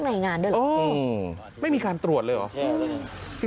เต้นโกนเท้าเหรอ